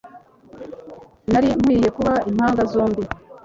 Nari nkwiye kuba impanga zombi